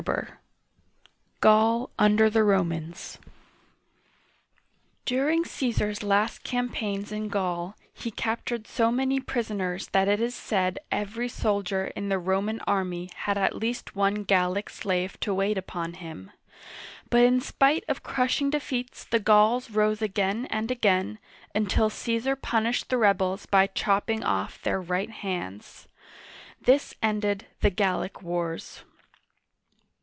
VIII. GAUL UNDER THE ROMANS DURING Caesar's last campaigns in Gaul, he cap tured so many prisoners that it is said every soldier in the Roman army had at least one Gallic slave uigiTizea oy ^^jv/v/x i^ 32 OLD FRANCE to wait upon him; but in spite of crushing defeats the Gauls rose again and again, until Caasar punished the rebels by chopping off their right hands. This ended the Gallic wars.